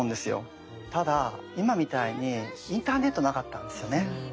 ただ今みたいにインターネットなかったんですよね。